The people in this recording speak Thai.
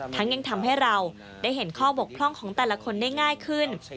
ยังทำให้เราได้เห็นข้อบกพร่องของแต่ละคนได้ง่ายขึ้น